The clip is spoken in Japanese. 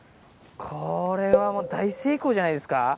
これはもう大成功じゃないですか。